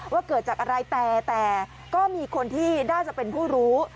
ว่าเกิดจากอะไรแต่ก็มีคนที่น่าจะเป็นผู้รู้